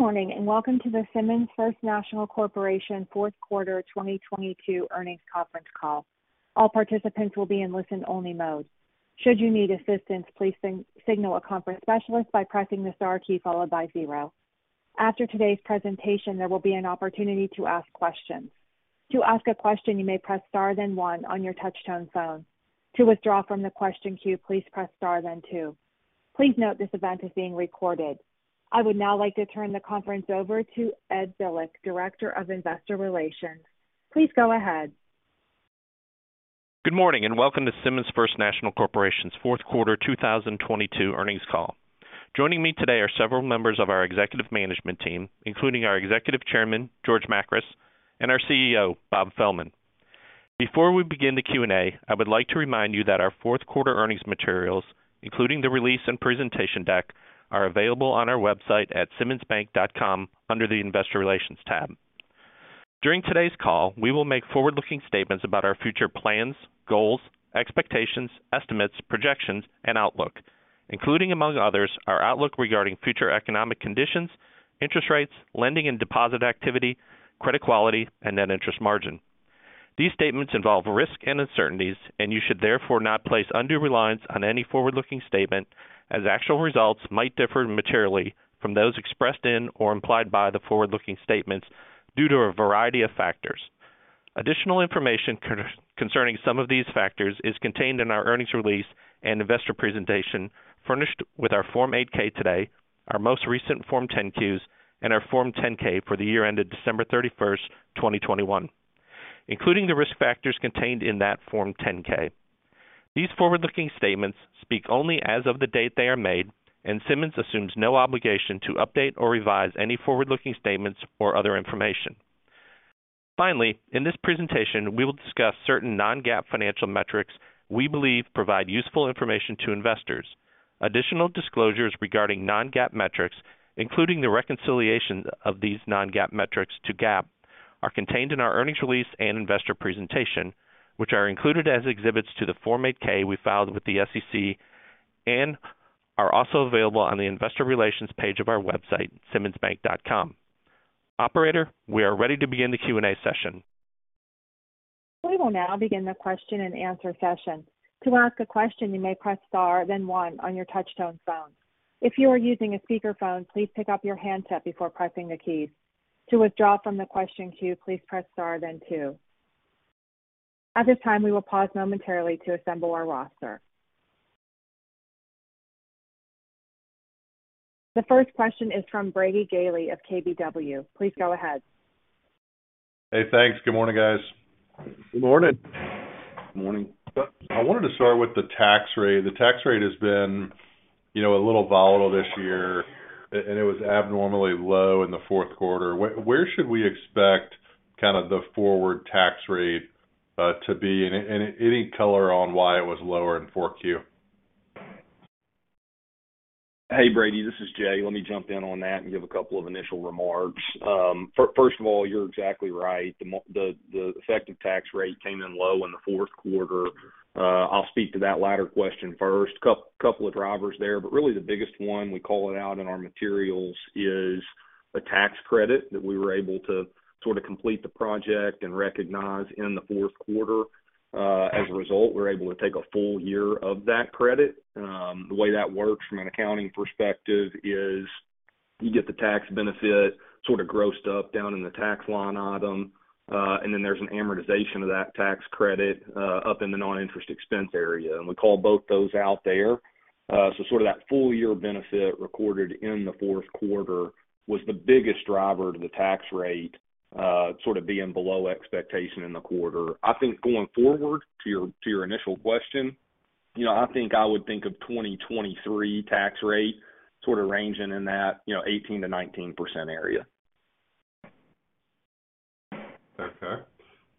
Good morning, and welcome to the Simmons First National Corporation fourth quarter 2022 earnings conference call. All participants will be in listen-only mode. Should you need assistance, please signal a conference specialist by pressing the star key followed by 0. After today's presentation, there will be an opportunity to ask questions. To ask a question, you may press star then 1 on your touchtone phone. To withdraw from the question queue, please press star then two. Please note this event is being recorded. I would now like to turn the conference over to Ed Billick, Director of Investor Relations. Please go ahead. Good morning and welcome to Simmons First National Corporation's fourth quarter 2022 earnings call. Joining me today are several members of our executive management team, including our Executive Chairman, George Makris, and our CEO, Bob Fehlman. Before we begin the Q&A, I would like to remind you that our fourth quarter earnings materials, including the release and presentation deck, are available on our website at simmonsbank.com under the Investor Relations tab. During today's call, we will make forward-looking statements about our future plans, goals, expectations, estimates, projections, and outlook, including among others, our outlook regarding future economic conditions, interest rates, lending and deposit activity, credit quality, and net interest margin. These statements involve risks and uncertainties, you should therefore not place undue reliance on any forward-looking statement as actual results might differ materially from those expressed in or implied by the forward-looking statements due to a variety of factors. Additional information concerning some of these factors is contained in our earnings release and investor presentation furnished with our Form 8-K today, our most recent Form 10-Qs and our Form 10-K for the year ended December 31st, 2021, including the risk factors contained in that Form 10-K. These forward-looking statements speak only as of the date they are made, Simmons assumes no obligation to update or revise any forward-looking statements or other information. Finally, in this presentation, we will discuss certain non-GAAP financial metrics we believe provide useful information to investors. Additional disclosures regarding non-GAAP metrics, including the reconciliation of these non-GAAP metrics to GAAP, are contained in our earnings release and investor presentation, which are included as exhibits to the Form 8-K we filed with the SEC and are also available on the Investor Relations page of our website, simmonsbank.com. Operator, we are ready to begin the Q&A session. We will now begin the Q&A. To ask a question, you may press star then one on your touch-tone phone. If you are using a speakerphone, please pick up your handset before pressing the keys. To withdraw from the question queue, please press star then two. At this time, we will pause momentarily to assemble our roster. The first question is from Brady Gailey of KBW. Please go ahead. Hey, thanks. Good morning, guys. Good morning. Morning. I wanted to start with the tax rate. The tax rate has been, you know, a little volatile this year, and it was abnormally low in the fourth quarter. Where should we expect kind of the forward tax rate to be? Any color on why it was lower in 4Q? Hey, Brady, this is Jay. Let me jump in on that and give a couple of initial remarks. first of all, you're exactly right. The effective tax rate came in low in the fourth quarter. I'll speak to that latter question first. couple of drivers there, but really the biggest one we call it out in our materials is a tax credit that we were able to sort of complete the project and recognize in the fourth quarter. As a result, we're able to take a full year of that credit. The way that works from an accounting perspective is you get the tax benefit sort of grossed up down in the tax line item, and then there's an amortization of that tax credit up in the non-interest expense area. We call both those out there. Sort of that full year benefit recorded in the fourth quarter was the biggest driver to the tax rate, sort of being below expectation in the quarter. I think going forward, to your, to your initial question, you know, I think I would think of 2023 tax rate sort of ranging in that, you know, 18%-19% area. Okay.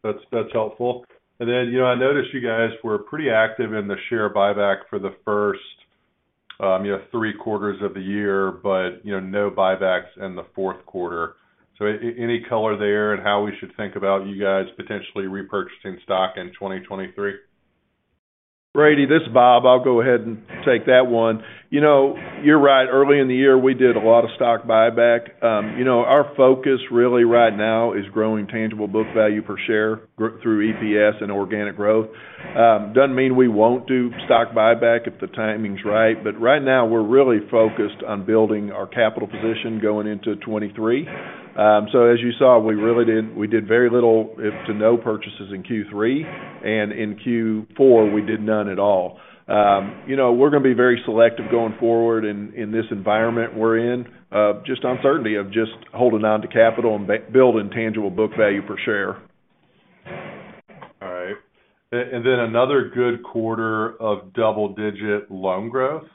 That's, that's helpful. You know, I noticed you guys were pretty active in the share buyback for the first, you know, three quarters of the year, but, you know, no buybacks in the 4th quarter. Any color there and how we should think about you guys potentially repurchasing stock in 2023? Brady, this is Bob. I'll go ahead and take that one. You know, you're right. Early in the year, we did a lot of stock buyback. You know, our focus really right now is growing tangible book value per share through EPS and organic growth. Doesn't mean we won't do stock buyback if the timing's right. Right now, we're really focused on building our capital position going into 23. As you saw, we did very little, if to no purchases in Q3, and in Q4, we did none at all. You know, we're gonna be very selective going forward in this environment we're in of just uncertainty of just holding on to capital and building tangible book value per share. All right. Another good quarter of double-digit loan growth,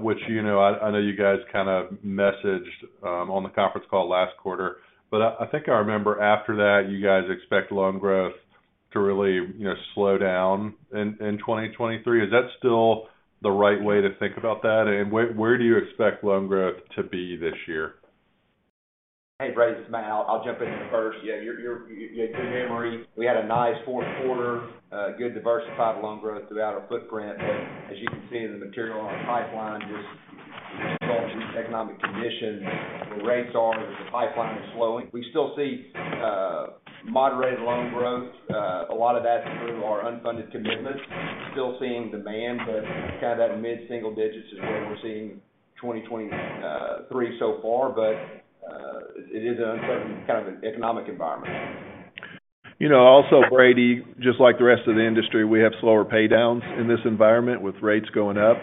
which, you know, I know you guys kind of messaged on the conference call last quarter. I think I remember after that, you guys expect loan growth to really, you know, slow down in 2023. Is that still the right way to think about that? Where do you expect loan growth to be this year? Hey, Brady, this is Matt. I'll jump in here first. Yeah, you had good memory. We had a nice fourth quarter, good diversified loan growth throughout our footprint. As you can see in the material, our pipeline just involved in these economic conditions, where rates are, the pipeline is slowing. We still see moderate loan growth. A lot of that through our unfunded commitments. Still seeing demand, but kind of that mid-single digits is where we're seeing 2023 so far, it is an uncertain kind of an economic environment. You know, also, Brady, just like the rest of the industry, we have slower pay downs in this environment with rates going up.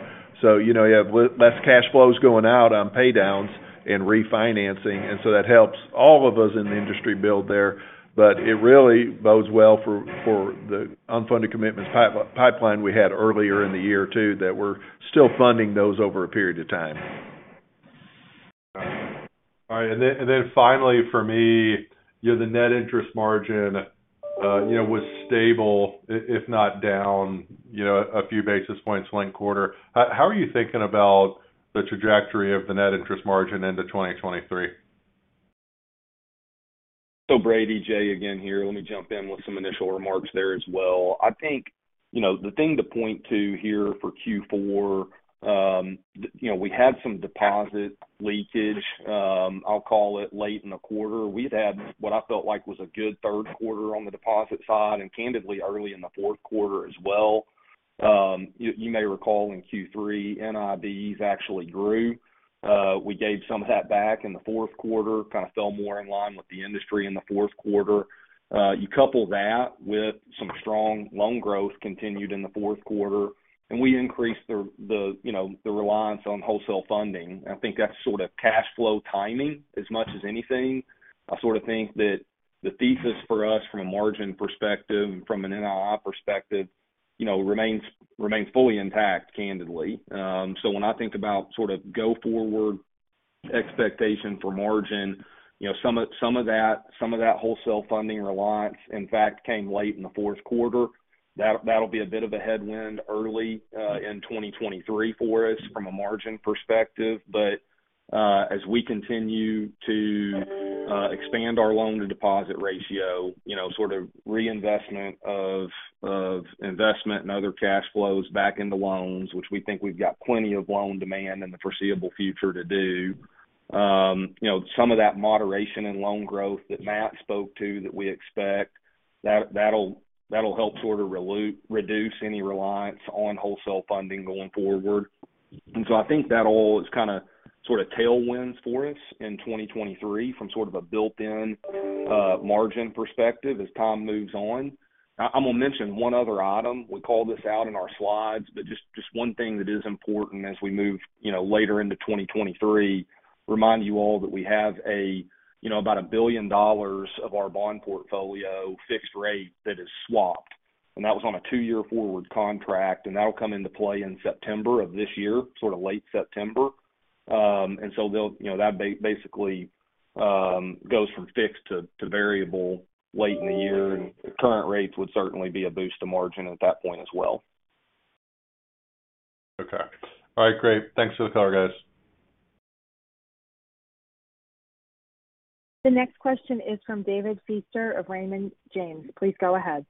You know, you have less cash flows going out on pay downs and refinancing, that helps all of us in the industry build there. It really bodes well for the unfunded commitment pipeline we had earlier in the year too, that we're still funding those over a period of time. All right. Then, finally for me, you know, the net interest margin, you know, was stable, if not down, you know, a few basis points linked quarter. How are you thinking about the trajectory of the net interest margin into 2023? Brady, Jay again here, let me jump in with some initial remarks there as well. I think, you know, the thing to point to here for Q4, you know, we had some deposit leakage, I'll call it, late in the quarter. We'd had what I felt like was a good third quarter on the deposit side, and candidly early in the fourth quarter as well. You, you may recall in Q3, NIBs actually grew. We gave some of that back in the fourth quarter, kind of fell more in line with the industry in the fourth quarter. You couple that with some strong loan growth continued in the fourth quarter, and we increased the, you know, the reliance on wholesale funding. I think that's sort of cash flow timing as much as anything. I sort of think that the thesis for us from a margin perspective and from an NII perspective, you know, remains fully intact, candidly. When I think about sort of go forward expectation for margin, you know, some of that wholesale funding reliance, in fact, came late in the fourth quarter. That'll be a bit of a headwind early in 2023 for us from a margin perspective. As we continue to expand our loan-to-deposit ratio, you know, sort of reinvestment of investment and other cash flows back into loans, which we think we've got plenty of loan demand in the foreseeable future to do. You know, some of that moderation in loan growth that Matt spoke to that we expect, that'll help sort of reduce any reliance on wholesale funding going forward. I think that all is kinda, sorta tailwinds for us in 2023 from sort of a built-in margin perspective as time moves on. I'm gonna mention one other item. We called this out in our slides, but just one thing that is important as we move, you know, later into 2023, remind you all that we have, you know, about $1 billion of our bond portfolio fixed rate that is swapped. That was on a two year forward contract, and that'll come into play in September of this year, sort of late September. They'll, you know, that basically goes from fixed to variable late in the year, and current rates would certainly be a boost to margin at that point as well. Okay. All right, great. Thanks for the color, guys. The next question is from David Feaster of Raymond James. Please go ahead.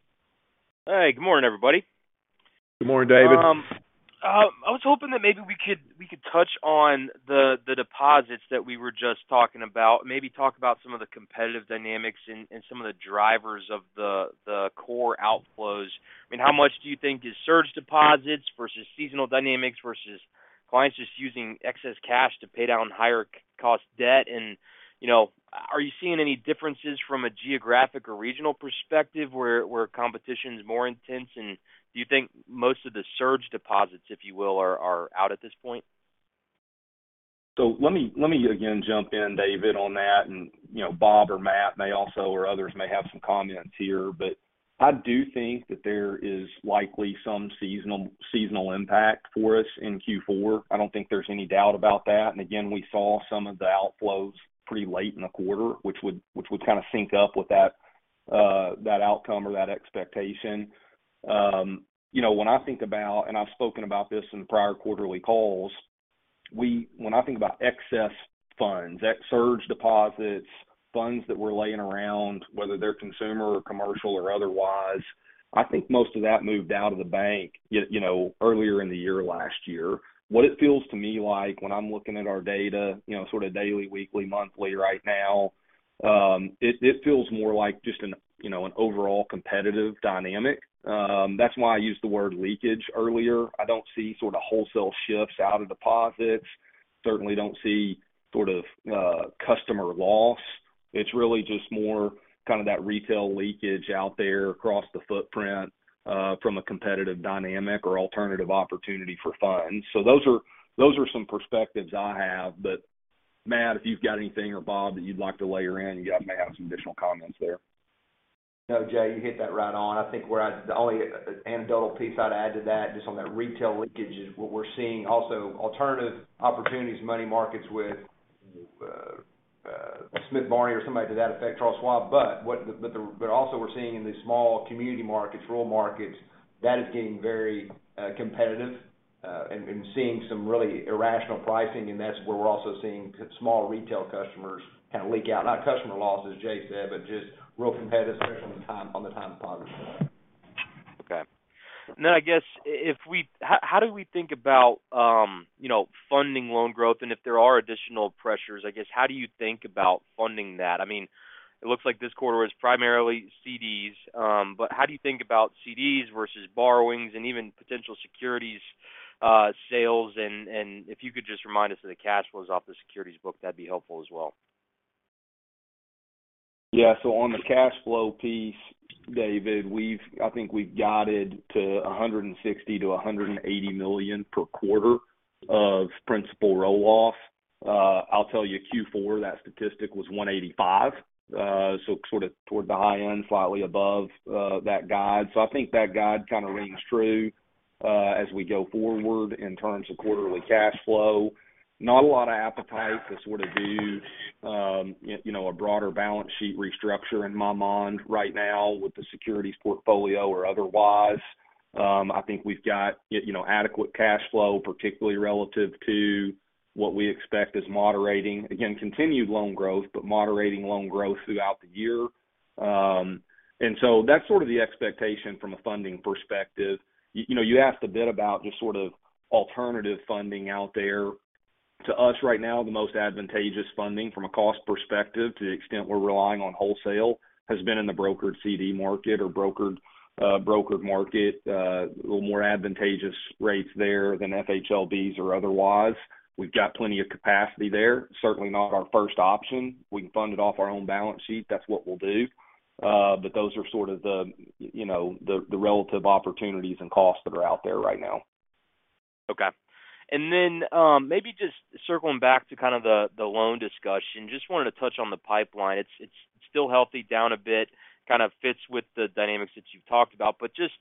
Hey, good morning, everybody. Good morning, David. I was hoping that maybe we could touch on the deposits that we were just talking about, maybe talk about some of the competitive dynamics and some of the drivers of the core outflows. I mean, how much do you think is surge deposits versus seasonal dynamics versus clients just using excess cash to pay down higher cost debt? You know, are you seeing any differences from a geographic or regional perspective where competition is more intense? Do you think most of the surge deposits, if you will, are out at this point? Let me again jump in, David, on that. You know, Bob or Matt may also, or others may have some comments here. I do think that there is likely some seasonal impact for us in Q4. I don't think there's any doubt about that. Again, we saw some of the outflows pretty late in the quarter, which would kind of sync up with that outcome or that expectation. You know, when I think about, and I've spoken about this in prior quarterly calls, when I think about excess funds, ex surge deposits, funds that we're laying around, whether they're consumer or commercial or otherwise, I think most of that moved out of the bank you know, earlier in the year, last year. What it feels to me like when I'm looking at our data, you know, sort of daily, weekly, monthly right now, it feels more like just an overall competitive dynamic. That's why I used the word leakage earlier. I don't see sort of wholesale shifts out of deposits. Certainly don't see sort of customer loss. It's really just more kind of that retail leakage out there across the footprint from a competitive dynamic or alternative opportunity for funds. Those are some perspectives I have. Matt, if you've got anything, or Bob, that you'd like to layer in, you guys may have some additional comments there. No, Jay, you hit that right on. I think where the only anecdotal piece I'd add to that, just on that retail leakage is what we're seeing also alternative opportunities, money markets with Smith Barney or somebody to that effect, Charles Schwab. Also we're seeing in these small community markets, rural markets, that is getting very competitive. Seeing some really irrational pricing. That's where we're also seeing small retail customers kind of leak out. Not customer losses, Jay said. Just real competitive, especially on the time deposit side. Okay. Then I guess how do we think about, you know, funding loan growth? If there are additional pressures, I guess, how do you think about funding that? I mean, it looks like this quarter was primarily CDs, but how do you think about CDs versus borrowings and even potential securities sales? If you could just remind us of the cash flows off the securities book, that'd be helpful as well. Yeah. On the cash flow piece, David, we've I think we've guided to $160 million-$180 million per quarter of principal roll-off. I'll tell you, Q4, that statistic was $185, so sort of toward the high end, slightly above that guide. I think that guide kind of rings true as we go forward in terms of quarterly cash flow. Not a lot of appetite to sort of do, you know, a broader balance sheet restructure in my mind right now with the securities portfolio or otherwise. I think we've got, you know, adequate cash flow, particularly relative to what we expect is moderating. Again, continued loan growth, but moderating loan growth throughout the year. That's sort of the expectation from a funding perspective. You, you know, you asked a bit about just sort of alternative funding out there. To us right now, the most advantageous funding from a cost perspective to the extent we're relying on wholesale, has been in the brokered CD market or brokered brokered market, a little more advantageous rates there than FHLBs or otherwise. We've got plenty of capacity there. Certainly not our first option. We can fund it off our own balance sheet, that's what we'll do. But those are sort of the, you know, the relative opportunities and costs that are out there right now. Okay. Maybe just circling back to kind of the loan discussion. Just wanted to touch on the pipeline. It's still healthy, down a bit, kind of fits with the dynamics that you've talked about. Just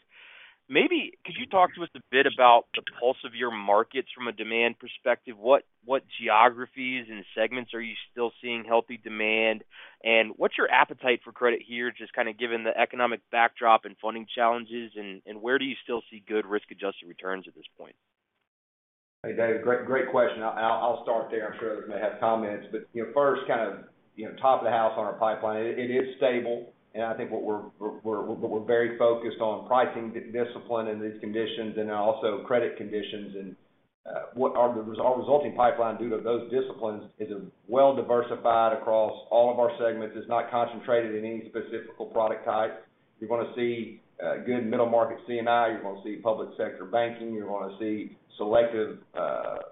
maybe could you talk to us a bit about the pulse of your markets from a demand perspective? What geographies and segments are you still seeing healthy demand? And what's your appetite for credit here, just kind of given the economic backdrop and funding challenges, and where do you still see good risk-adjusted returns at this point? Hey, David, great question. I'll start there. I'm sure others may have comments. You know, first kind of, you know, top of the house on our pipeline, it is stable, and I think what we're very focused on pricing discipline in these conditions and then also credit conditions and our resulting pipeline due to those disciplines is well diversified across all of our segments. It's not concentrated in any specific product type. You're gonna see good middle market C&I, you're gonna see public sector banking, you're gonna see selective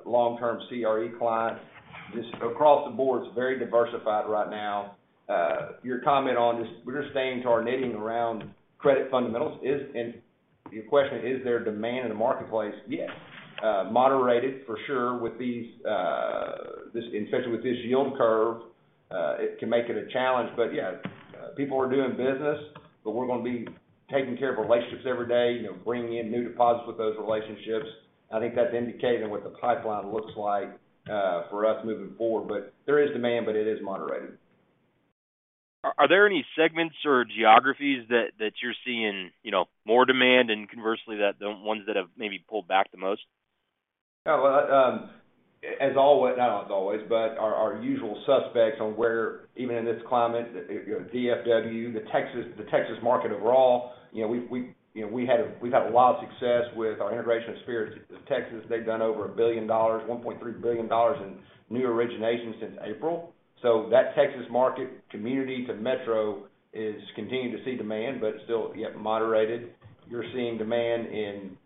long-term CRE clients. Just across the board, it's very diversified right now. Your comment on just we're just staying to our knitting around credit fundamentals and your question, is there demand in the marketplace? Yes. Moderated for sure with these, especially with this yield curve, it can make it a challenge. Yeah, people are doing business, but we're gonna be taking care of relationships every day, you know, bringing in new deposits with those relationships. I think that's indicated in what the pipeline looks like for us moving forward. There is demand, but it is moderated. Are there any segments or geographies that you're seeing, you know, more demand, and conversely, that the ones that have maybe pulled back the most? Yeah. Well, our usual suspects on where even in this climate, you know, DFW, the Texas, the Texas market overall, you know, we've had a lot of success with our integration of Spirit Texas. They've done over $1 billion, $1.3 billion in new originations since April. That Texas market community to metro is continuing to see demand, but still yet moderated. You're seeing demand in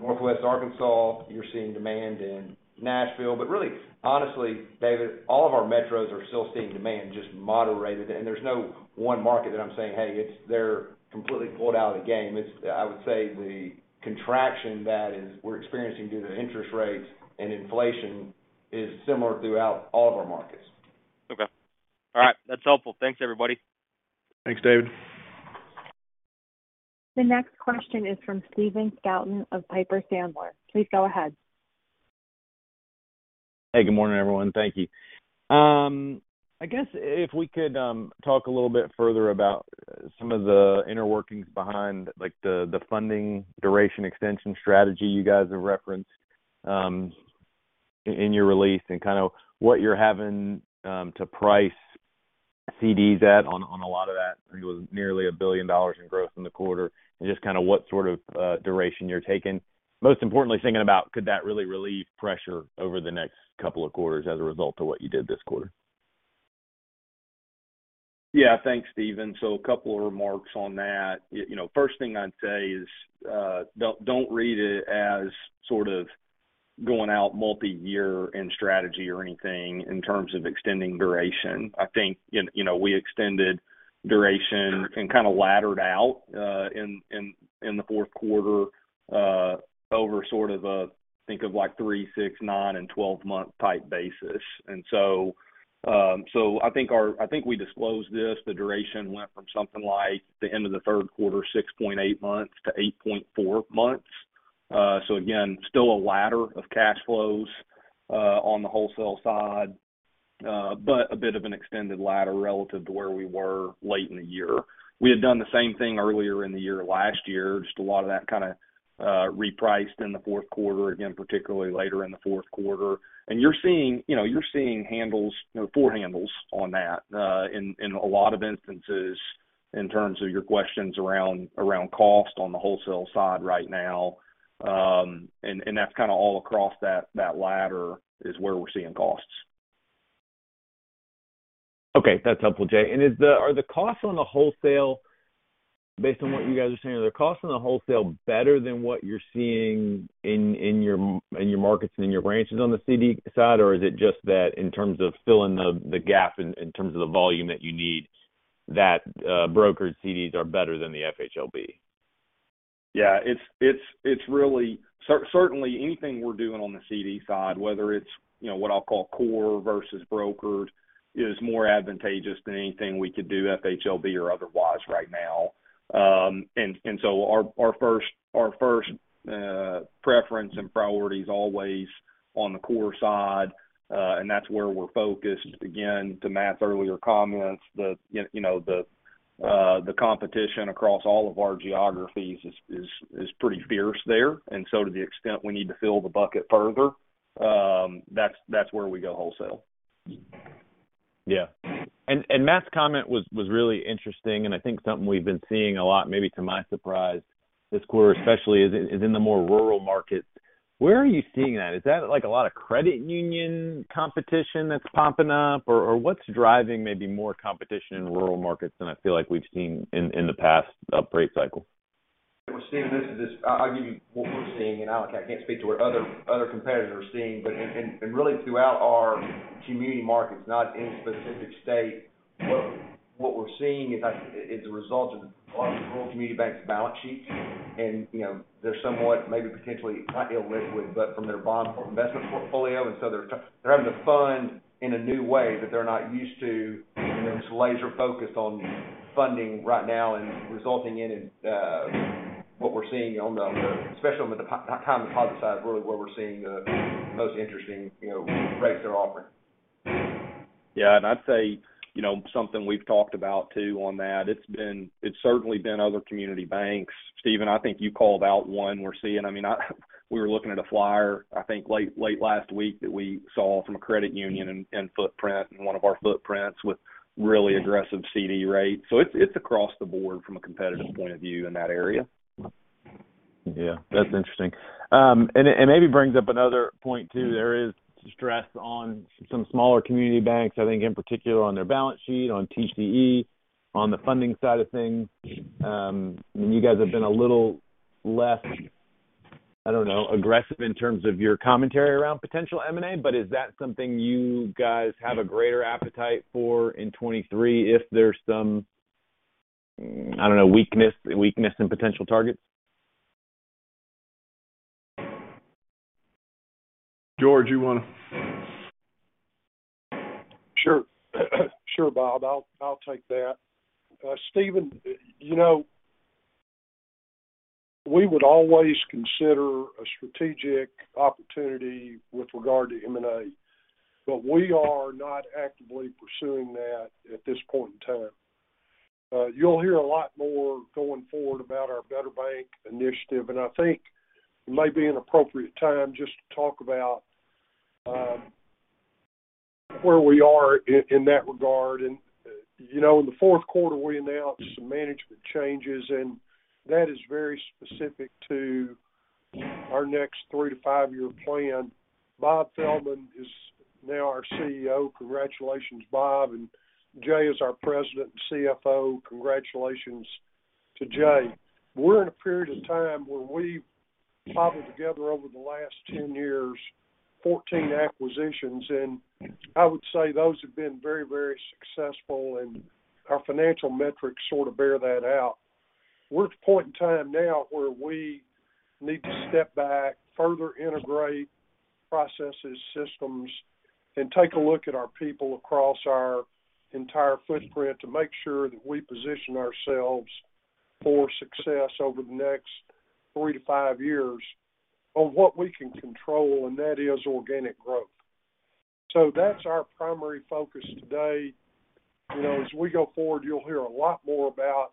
Northwest Arkansas, you're seeing demand in Nashville. Really, honestly, David, all of our metros are still seeing demand, just moderated. There's no one market that I'm saying, "Hey, they're completely pulled out of the game." I would say the contraction we're experiencing due to interest rates and inflation is similar throughout all of our markets. Okay. All right. That's helpful. Thanks, everybody. Thanks, David. The next question is from Stephen Scouten of Piper Sandler. Please go ahead. Hey, good morning, everyone. Thank you. I guess if we could talk a little bit further about some of the inner workings behind like the funding duration extension strategy you guys have referenced, in your release and kind of what you're having to price CDs at on a lot of that. I think it was nearly $1 billion in growth in the quarter, and just kind of what sort of duration you're taking. Most importantly, thinking about could that really relieve pressure over the next couple of quarters as a result of what you did this quarter? Yeah. Thanks, Stephen. A couple of remarks on that. you know, first thing I'd say is, don't read it as sort of going out multi-year in strategy or anything in terms of extending duration. I think, you know, we extended duration and kind of laddered out in the fourth quarter over sort of a, think of like 3, 6, 9, and 12-month type basis. I think we disclosed this, the duration went from something like the end of the third quarter, 6.8 months - 8.4 months. Again, still a ladder of cash flows on the wholesale side. A bit of an extended ladder relative to where we were late in the year. We had done the same thing earlier in the year last year, just a lot of that kind of repriced in the fourth quarter, again, particularly later in the fourth quarter. You're seeing, you know, you're seeing handles, you know, four handles on that in a lot of instances in terms of your questions around cost on the wholesale side right now. That's kind of all across that ladder is where we're seeing costs. Okay. That's helpful, Jay. Are the costs on the wholesale, based on what you guys are saying, are the costs on the wholesale better than what you're seeing in your markets and in your branches on the CD side? Or is it just that in terms of filling the gap in terms of the volume that you need, that brokered CDs are better than the FHLB? Yeah. It's certainly, anything we're doing on the CD side, whether it's, you know, what I'll call core versus brokered, is more advantageous than anything we could do FHLB or otherwise right now. Our first preference and priority is always on the core side, and that's where we're focused. Again, to Matt's earlier comments, you know, the competition across all of our geographies is pretty fierce there. To the extent we need to fill the bucket further, that's where we go wholesale. Yeah. Matt's comment was really interesting, and I think something we've been seeing a lot, maybe to my surprise this quarter especially is in the more rural markets. Where are you seeing that? Is that, like, a lot of credit union competition that's popping up? What's driving maybe more competition in rural markets than I feel like we've seen in the past rate cycle? We're seeing this as I'll give you what we're seeing, and I, like I can't speak to what other competitors are seeing. Really throughout our community markets, not any specific state, what we're seeing is a result of our rural community banks' balance sheets. You know, they're somewhat maybe potentially, not illiquid, but from their bond investment portfolio. They're having to fund in a new way that they're not used to, and then just laser focused on funding right now and resulting in what we're seeing on the especially on the high deposit side is really where we're seeing the most interesting, you know, rates they're offering. Yeah. I'd say, you know, something we've talked about too on that, it's been, it's certainly been other community banks. Steven, I think you called out one we're seeing. I mean, we were looking at a flyer, I think late last week that we saw from a credit union and footprint, in one of our footprints with really aggressive CD rates. It's across the board from a competitive point of view in that area. Yeah. That's interesting. It, and maybe brings up another point too. There is stress on some smaller community banks, I think in particular on their balance sheet, on TCE, on the funding side of things. You guys have been a little less, I don't know, aggressive in terms of your commentary around potential M&A, but is that something you guys have a greater appetite for in 2023 if there's some, I don't know, weakness in potential targets? George, you wanna... Sure. Sure, Bob. I'll take that. Stephen, you know, we would always consider a strategic opportunity with regard to M&A, but we are not actively pursuing that at this point in time. You'll hear a lot more going forward about our Better Bank Initiative, and I think it may be an appropriate time just to talk about where we are in that regard. You know, in the fourth quarter, we announced some management changes, and that is very specific to our next three to five-year plan. Bob Fehlman is now our CEO. Congratulations, Bob. Jay is our President and CFO. Congratulations to Jay. We're in a period of time where we've cobbled together over the last 10 years, 14 acquisitions. I would say those have been very, very successful, and our financial metrics sort of bear that out. We're at the point in time now where we need to step back, further integrate processes, systems, and take a look at our people across our entire footprint to make sure that we position ourselves for success over the next three to five years on what we can control, and that is organic growth. That's our primary focus today. You know, as we go forward, you'll hear a lot more about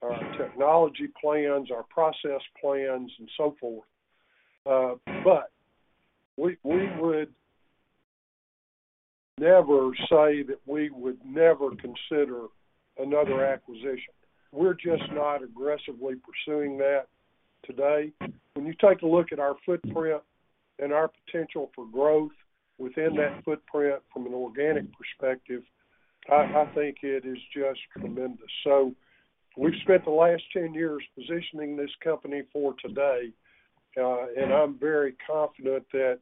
our technology plans, our process plans, and so forth. We would never say that we would never consider another acquisition. We're just not aggressively pursuing that today. When you take a look at our footprint and our potential for growth within that footprint from an organic perspective, I think it is just tremendous. We've spent the last 10 years positioning this company for today, and I'm very confident that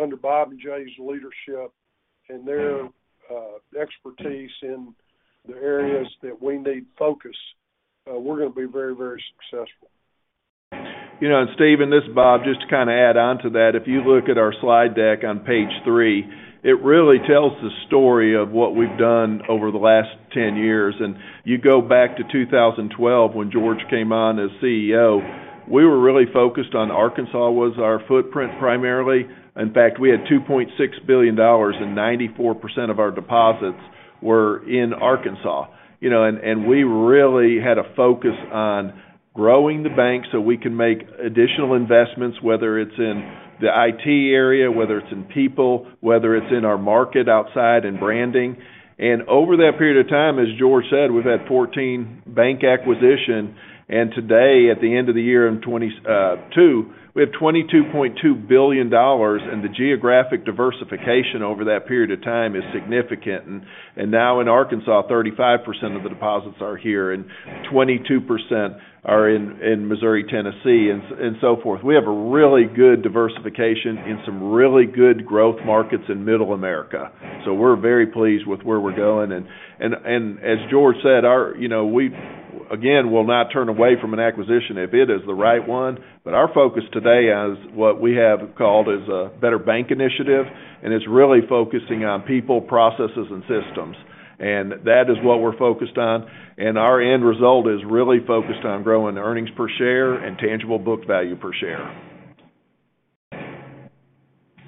under Bob and Jay's leadership and their expertise in the areas that we need focus, we're going to be very, very successful. You know, Stephen, this is Bob. Just to kind of add on to that, if you look at our slide deck on page three, it really tells the story of what we've done over the last 10 years. You go back to 2012 when George came on as CEO We were really focused on Arkansas was our footprint primarily. In fact, we had $2.6 billion and 94% of our deposits were in Arkansas. You know, and we really had a focus on growing the bank so we can make additional investments, whether it's in the IT area, whether it's in people, whether it's in our market outside and branding. Over that period of time, as George said, we've had 14 bank acquisition. Today, at the end of the year in 2022, we have $22.2 billion, and the geographic diversification over that period of time is significant. Now in Arkansas, 35% of the deposits are here and 22% are in Missouri, Tennessee and so forth. We have a really good diversification and some really good growth markets in Middle America. We're very pleased with where we're going. As George said, our, you know, we, again, will not turn away from an acquisition if it is the right one. Our focus today is what we have called is Better Bank Initiative, and it's really focusing on people, processes, and systems. That is what we're focused on. Our end result is really focused on growing earnings per share and tangible book value per share.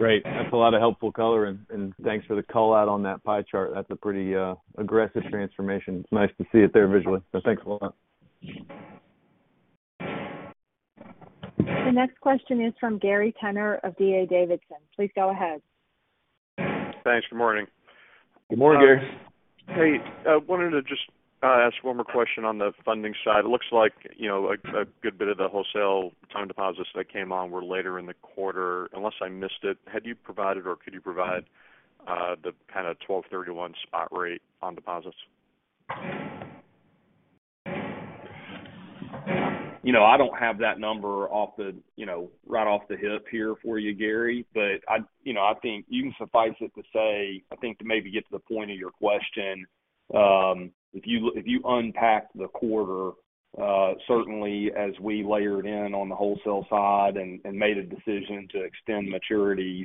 Great. That's a lot of helpful color, and thanks for the call out on that pie chart. That's a pretty aggressive transformation. It's nice to see it there visually. Thanks a lot. The next question is from Gary Tenner of D.A. Davidson. Please go ahead. Thanks. Good morning. Good morning, Gary. Hey, I wanted to just ask one more question on the funding side. It looks like, you know, a good bit of the wholesale time deposits that came on were later in the quarter. Unless I missed it, had you provided or could you provide the kind of 12 thirty-one spot rate on deposits? You know, I don't have that number off the, you know, right off the hip here for you, Gary. I'd, you know, I think you can suffice it to say, I think to maybe get to the point of your question, if you unpack the quarter, certainly as we layered in on the wholesale side and made a decision to extend maturities,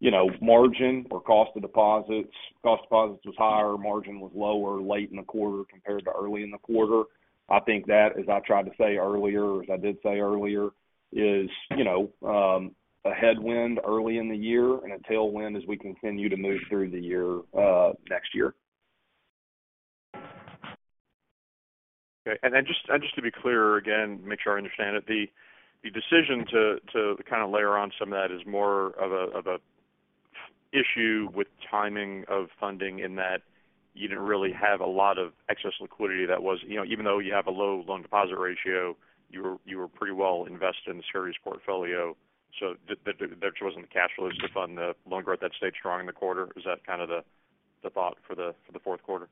you know, margin or cost of deposits was higher, margin was lower late in the quarter compared to early in the quarter. I think that, as I tried to say earlier, as I did say earlier, is, you know, a headwind early in the year and a tailwind as we continue to move through the year, next year. Okay. Just, and just to be clear again, make sure I understand it, the decision to kind of layer on some of that is more of a issue with timing of funding in that you didn't really have a lot of excess liquidity that was. You know, even though you have a low loan deposit ratio, you were pretty well invested in the securities portfolio. There wasn't the cash flows to fund the loan growth that stayed strong in the quarter. Is that kind of the thought for the fourth quarter?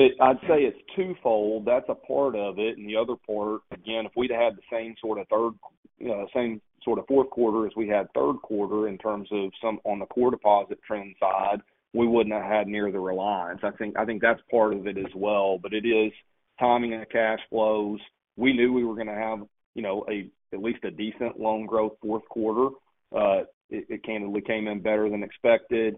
I'd say it's twofold. That's a part of it. The other part, again, if we'd had the same sort of third, you know, same sort of fourth quarter as we had third quarter in terms of some on the core deposit trend side, we wouldn't have had near the reliance. That's part of it as well. It is timing and the cash flows. We knew we were gonna have, you know, at least a decent loan growth fourth quarter. It came in better than expected.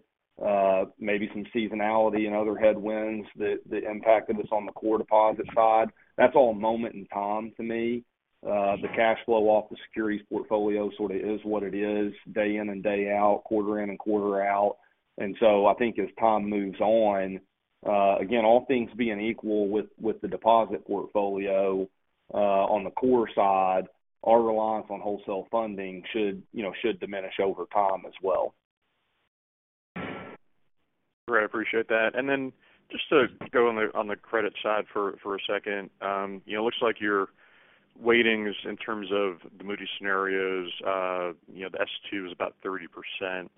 Maybe some seasonality and other headwinds that impacted us on the core deposit side. That's all a moment in time to me. The cash flow off the securities portfolio sort of is what it is day in and day out, quarter in and quarter out. I think as time moves on, again, all things being equal with the deposit portfolio, on the core side, our reliance on wholesale funding should, you know, should diminish over time as well. Great, I appreciate that. Just to go on the credit side for a second. You know, looks like your weightings in terms of the Moody's scenarios, you know, the S2 is about 30%.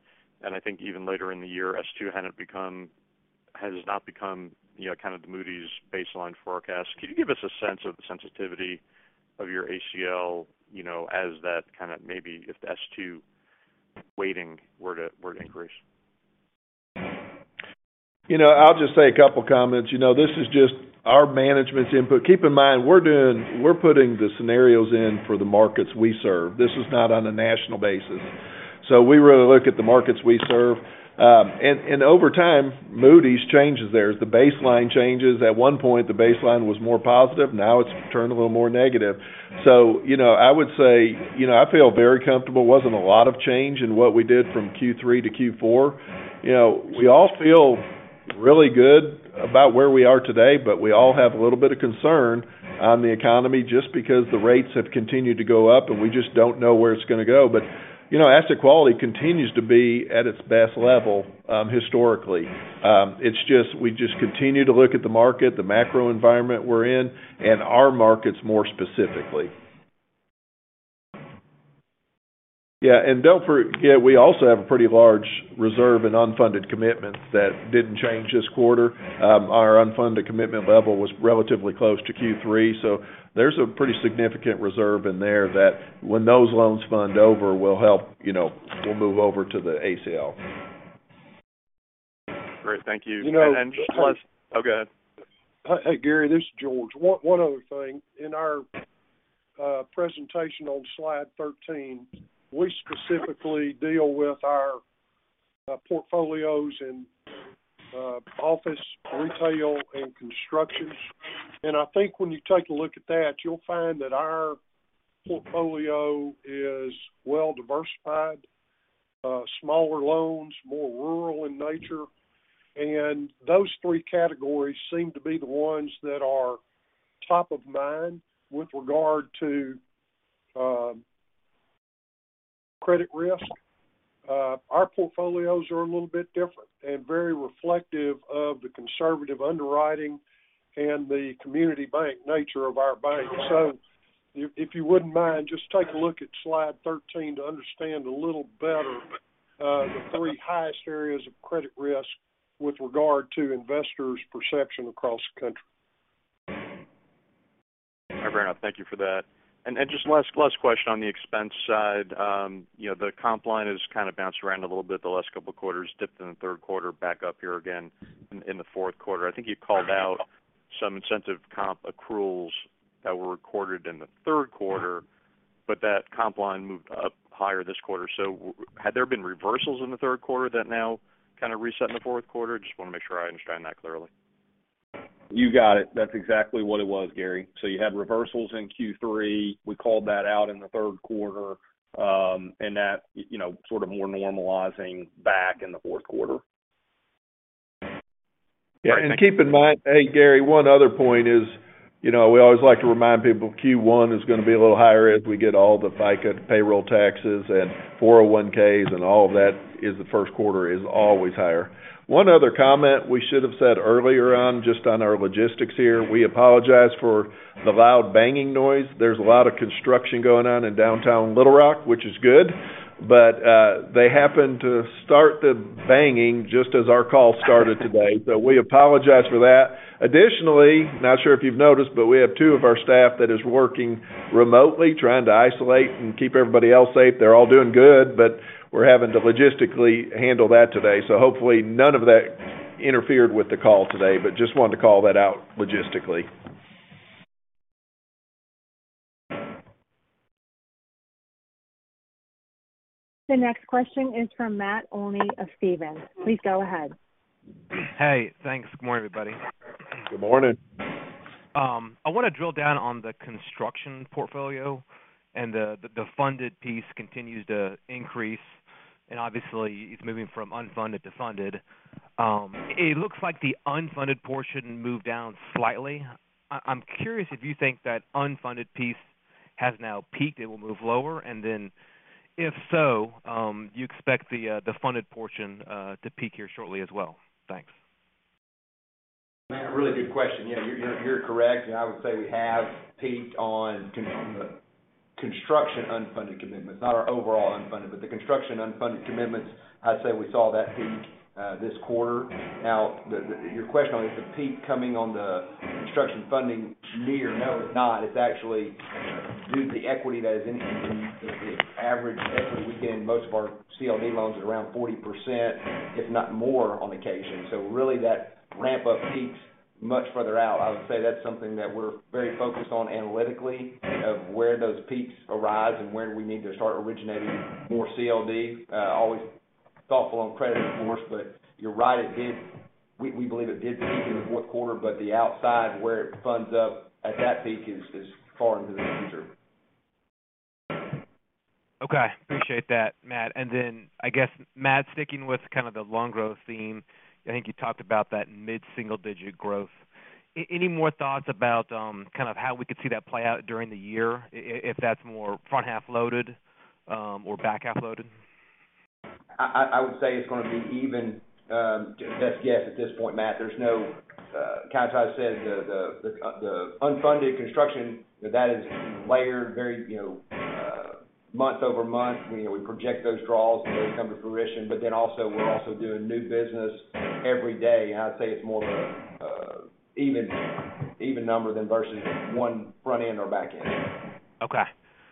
I think even later in the year, S2 has not become, you know, kind of the Moody's baseline forecast. Can you give us a sense of the sensitivity of your ACL, you know, as that kind of maybe if the S2 weighting were to increase? You know, I'll just say a couple comments. You know, this is just our management's input. Keep in mind, we're putting the scenarios in for the markets we serve. This is not on a national basis. We really look at the markets we serve. Over time, Moody's changes theirs. The baseline changes. At one point, the baseline was more positive, now it's turned a little more negative. You know, I would say, you know, I feel very comfortable. Wasn't a lot of change in what we did from Q3 to Q4. You know, we all feel really good about where we are today, but we all have a little bit of concern on the economy just because the rates have continued to go up, and we just don't know where it's gonna go. You know, asset quality continues to be at its best level, historically. It's just, we just continue to look at the market, the macro environment we're in, and our markets more specifically. Yeah, yeah, we also have a pretty large reserve and unfunded commitments that didn't change this quarter. Our unfunded commitment level was relatively close to Q3, so there's a pretty significant reserve in there that when those loans fund over will help, you know, will move over to the ACL. Great. Thank you. You know. oh, go ahead. Hey, Gary, this is George. One other thing. In our presentation on slide 13, we specifically deal with our Our portfolios and office, retail, and constructions. I think when you take a look at that, you'll find that our portfolio is well diversified, smaller loans, more rural in nature. Those three categories seem to be the ones that are top of mind with regard to credit risk. Our portfolios are a little bit different and very reflective of the conservative underwriting and the community bank nature of our bank. If you wouldn't mind, just take a look at slide 13 to understand a little better the three highest areas of credit risk with regard to investors' perception across the country. Fair enough. Thank you for that. Just last question on the expense side. you know, the comp line has kind of bounced around a little bit the last couple of quarters, dipped in the third quarter, back up here again in the fourth quarter. I think you called out some incentive comp accruals that were recorded in the third quarter, but that comp line moved up higher this quarter. Had there been reversals in the third quarter that now kind of reset in the fourth quarter? Just want to make sure I understand that clearly. You got it. That's exactly what it was, Gary. You had reversals in Q3. We called that out in the third quarter. That, you know, sort of more normalizing back in the fourth quarter. Yeah. Keep in mind... Hey, Gary, one other point is, you know, we always like to remind people Q1 is going to be a little higher as we get all the FICA payroll taxes and 401Ks and all of that is the 1st quarter is always higher. One other comment we should have said earlier on just on our logistics here. We apologize for the loud banging noise. There's a lot of construction going on in downtown Little Rock, which is good, but they happened to start the banging just as our call started today. We apologize for that. Additionally, not sure if you've noticed, but we have two of our staff that is working remotely, trying to isolate and keep everybody else safe. They're all doing good, but we're having to logistically handle that today, so hopefully none of that interfered with the call today. Just wanted to call that out logistically. The next question is from Matt Olney of Stephens Inc. Please go ahead. Hey, thanks. Good morning, everybody. Good morning. I want to drill down on the construction portfolio and the funded piece continues to increase, and obviously it's moving from unfunded to funded. It looks like the unfunded portion moved down slightly. I'm curious if you think that unfunded piece has now peaked, it will move lower. Then if so, do you expect the funded portion to peak here shortly as well? Thanks. Matt, really good question. Yeah, you're correct, and I would say we have peaked on construction unfunded commitments, not our overall unfunded, but the construction unfunded commitments, I'd say we saw that peak this quarter. Your question on, is the peak coming on the construction funding near? No, it's not. It's actually, due to the equity that is in the average, every weekend, most of our CLD loans is around 40%, if not more on occasion. Really that ramp up peaks much further out. I would say that's something that we're very focused on analytically of where those peaks arise and when we need to start originating more CLD. Always thoughtful on credit, of course, but you're right, it did. We believe it did peak in the fourth quarter, but the outside where it funds up at that peak is far into the future. Okay. Appreciate that, Matt. I guess, Matt, sticking with kind of the loan growth theme, I think you talked about that mid-single digit growth. Any more thoughts about kind of how we could see that play out during the year, if that's more front half loaded or back half loaded? I would say it's going to be even, best guess at this point, Matt. Jay said the unfunded construction, that is layered very, you know, month-over-month. You know, we project those draws and they come to fruition. We're also doing new business every day. I'd say it's more of a even number than versus one front end or back end. Okay.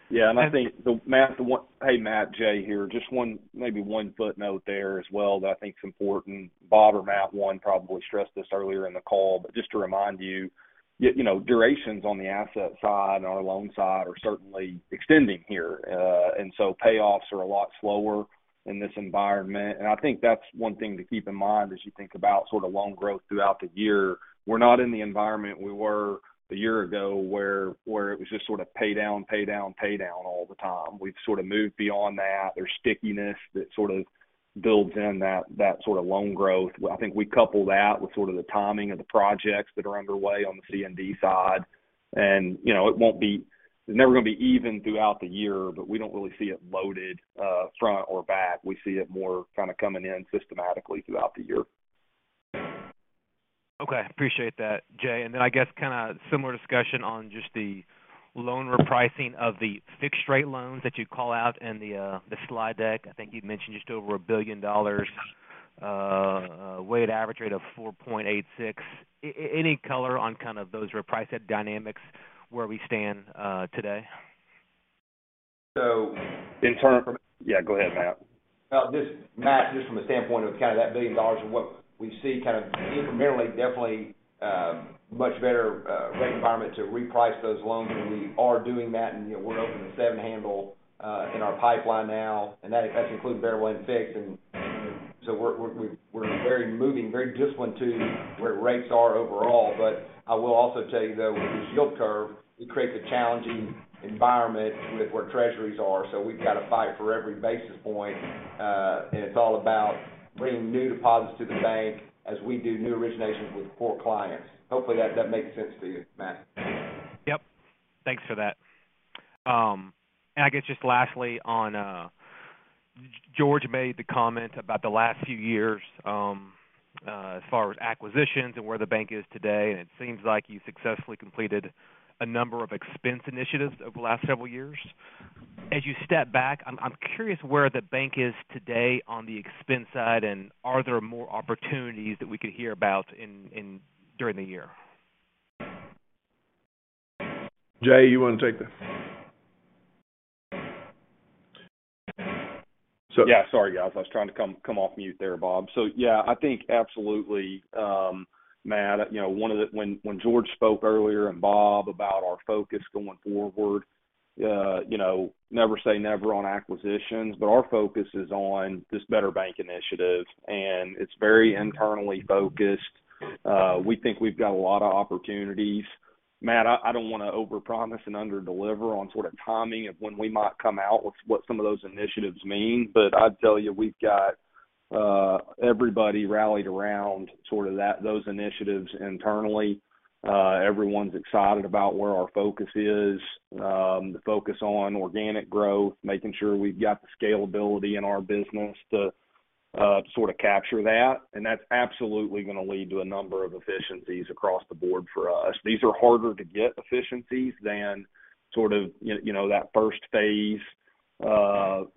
Yeah. I think Matt, Hey, Matt, Jay here. Just one, maybe one footnote there as well that I think is important. Bob or Matt Olney probably stressed this earlier in the call. Just to remind you know, durations on the asset side and our loan side are certainly extending here. Payoffs are a lot slower in this environment. I think that's one thing to keep in mind as you think about sort of loan growth throughout the year. We're not in the environment we were a year ago where it was just sort of pay down, pay down, pay down all the time. We've sort of moved beyond that. There's stickiness that sort of builds in that sort of loan growth. Well, I think we couple that with sort of the timing of the projects that are underway on the C&D side. You know, it's never going to be even throughout the year, but we don't really see it loaded front or back. We see it more kind of coming in systematically throughout the year. Okay. Appreciate that, Jay. Then I guess kind of similar discussion on just the loan repricing of the fixed rate loans that you call out in the slide deck. I think you'd mentioned just over $1 billion, weighted average rate of 4.86. Any color on kind of those reprice head dynamics where we stand today? So- Yeah, go ahead, Matt. No, Matt, just from the standpoint of kind of that $1 billion and what we see kind of incrementally, definitely, much better, rate environment to reprice those loans, and we are doing that. You know, we're open to seven handle in our pipeline now, and that includes bank-one fixed. We're very moving, very disciplined to where rates are overall. I will also tell you, though, with this yield curve, it creates a challenging environment with where treasuries are, so we've got to fight for every basis point. It's all about bringing new deposits to the bank as we do new originations with core clients. Hopefully, that makes sense to you, Matt. Yep. Thanks for that. I guess just lastly on George made the comment about the last few years as far as acquisitions and where the bank is today. It seems like you successfully completed a number of expense initiatives over the last several years. As you step back, I'm curious where the bank is today on the expense side, and are there more opportunities that we could hear about during the year? Jay, you want to take this? Sorry, guys. I was trying to come off mute there, Bob. I think absolutely, Matt, you know, When George spoke earlier and Bob about our focus going forward, you know, never say never on acquisitions, but our focus is on this Better Bank Initiative, and it's very internally focused. We think we've got a lot of opportunities. Matt, I don't wanna overpromise and under-deliver on sort of timing of when we might come out with what some of those initiatives mean, but I'd tell you, we've got everybody rallied around sort of those initiatives internally. Everyone's excited about where our focus is, the focus on organic growth, making sure we've got the scalability in our business to sort of capture that. That's absolutely gonna lead to a number of efficiencies across the board for us. These are harder to get efficiencies than sort of, you know, that first phase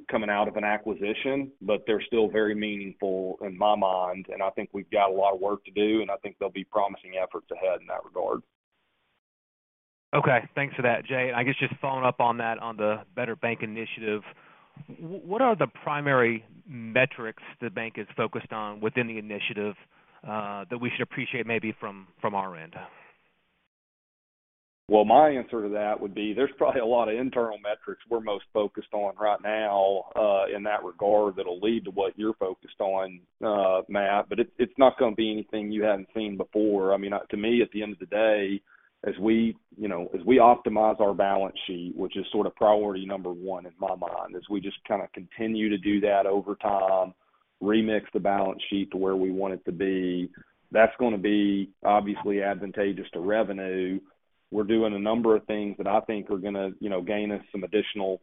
coming out of an acquisition, but they're still very meaningful in my mind. I think we've got a lot of work to do, and I think they'll be promising efforts ahead in that regard. Okay, thanks for that, Jay. I guess just following up on that, on the Better Bank Initiative, what are the primary metrics the bank is focused on within the initiative, that we should appreciate maybe from our end? Well, my answer to that would be there's probably a lot of internal metrics we're most focused on right now, in that regard that'll lead to what you're focused on, Matt, but it's not gonna be anything you haven't seen before. I mean, to me, at the end of the day, as we, you know, as we optimize our balance sheet, which is sort of priority number one in my mind, as we just kinda continue to do that over time, remix the balance sheet to where we want it to be, that's gonna be obviously advantageous to revenue. We're doing a number of things that I think are gonna, you know, gain us some additional,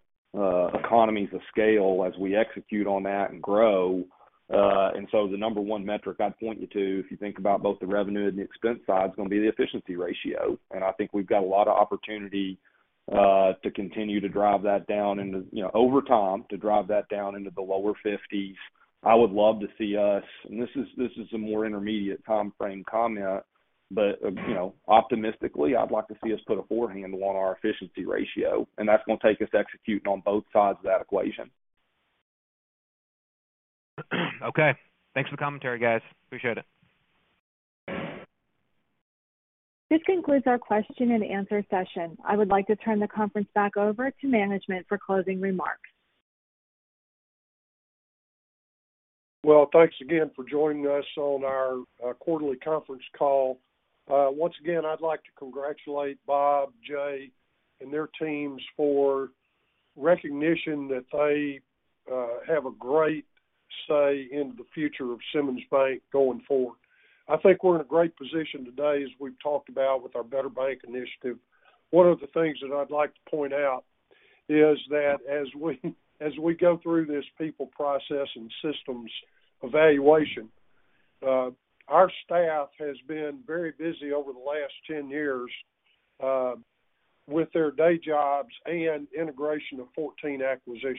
economies of scale as we execute on that and grow. The number one metric I'd point you to, if you think about both the revenue and the expense side, is gonna be the efficiency ratio. I think we've got a lot of opportunity to continue to drive that down into, you know, over time, to drive that down into the lower 50s. I would love to see us, and this is, this is a more intermediate timeframe comment, but, you know, optimistically, I'd like to see us put a forehand on our efficiency ratio, and that's gonna take us executing on both sides of that equation. Okay. Thanks for the commentary, guys. Appreciate it. This concludes our question and answer session. I would like to turn the conference back over to management for closing remarks. Thanks again for joining us on our quarterly conference call. Once again, I'd like to congratulate Bob, Jay, and their teams for recognition that they have a great say in the future of Simmons Bank going forward. I think we're in a great position today, as we've talked about with our Better Bank Initiative. One of the things that I'd like to point out is that as we go through this people process and systems evaluation, our staff has been very busy over the last 10 years with their day jobs and integration of 14 acquisitions.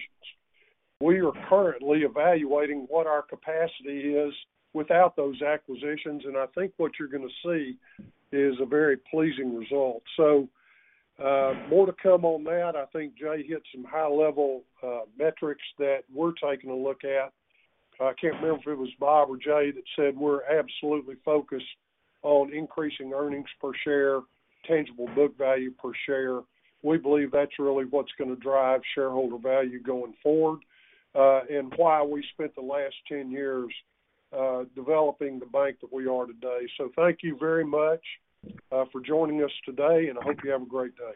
We are currently evaluating what our capacity is without those acquisitions, and I think what you're gonna see is a very pleasing result. More to come on that. I think Jay hit some high-level metrics that we're taking a look at. I can't remember if it was Bob or Jay that said we're absolutely focused on increasing earnings per share, tangible book value per share. We believe that's really what's gonna drive shareholder value going forward, and why we spent the last 10 years developing the bank that we are today. Thank you very much for joining us today, and I hope you have a great day.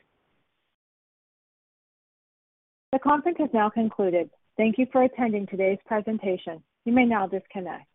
The conference has now concluded. Thank you for attending today's presentation. You may now disconnect.